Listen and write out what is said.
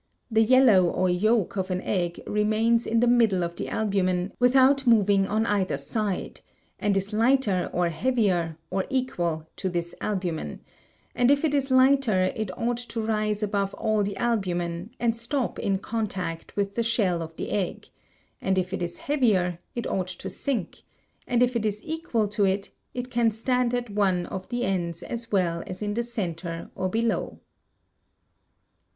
The yellow or yolk of an egg remains in the middle of the albumen without moving on either side, and is lighter or heavier or equal to this albumen; and if it is lighter it ought to rise above all the albumen and stop in contact with the shell of the egg; and if it is heavier it ought to sink; and if it is equal to it, it can stand at one of the ends as well as in the centre or below.